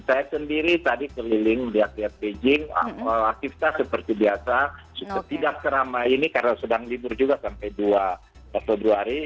saya sendiri tadi keliling lihat lihat beijing aktivitas seperti biasa tidak seramai ini karena sedang libur juga sampai dua februari